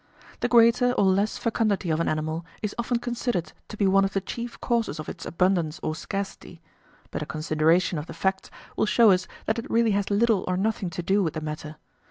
The greater or less fecundity of an animal is often considered to be one of the chief causes of its abundance or scarcity; but a consideration of the facts will show us that it really has little or nothing to do with the matter.